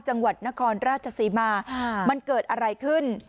จังหวัดนครราชศรีมามันเกิดอะไรขึ้น